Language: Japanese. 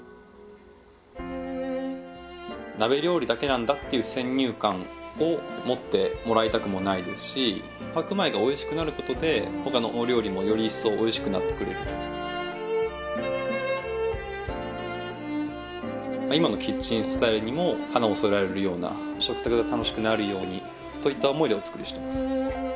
鍋料理だけなんだっていう先入観を持ってもらいたくもないですし白米がおいしくなることで他のお料理もより一層おいしくなってくれる今のキッチンスタイルにも華を添えられるような食卓が楽しくなるようにといった思いでお作りしてます